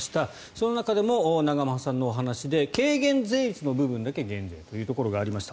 その中でも、永濱さんのお話で軽減税率の部分だけ減税というところがありました。